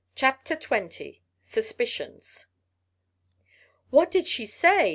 CHAPTER XX SUSPICIONS "What did she say?"